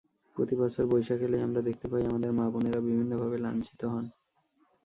প্রতিবছর বৈশাখ এলেই আমরা দেখতে পাই আমাদের মা-বোনেরা বিভিন্নভাবে লাঞ্ছিত হন।